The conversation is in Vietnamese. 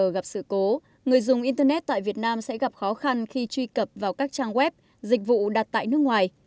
gặp sự cố người dùng internet tại việt nam sẽ gặp khó khăn khi truy cập vào các trang web dịch vụ đặt tại nước ngoài